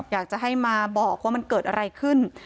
อยากจะให้มาบอกว่ามันเกิดอะไรขึ้น